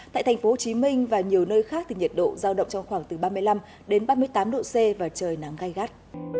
tại thành phố hồ chí minh và nhiều nơi khác thì nhiệt độ giao động trong khoảng từ ba mươi năm ba mươi tám độ c và trời nắng gai gắt